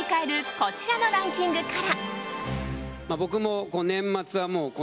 こちらのランキングから。